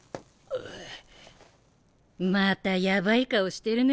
またやばい顔してるね。